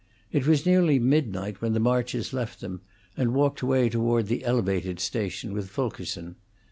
It was nearly midnight when the Marches left them and walked away toward the Elevated station with Fulkerson.